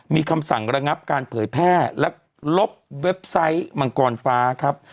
มีคำสั่งระงับการเผยแพร่และลบเว็บไซต์มังกรฟ้าครับ